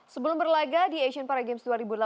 sebelum berlaga di asian paragames dua ribu delapan belas